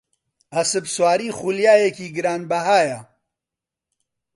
ئەسپسواری خولیایەکی گرانبەهایە.